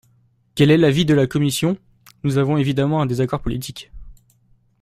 Quel est l’avis de la commission ? Nous avons évidemment un désaccord politique.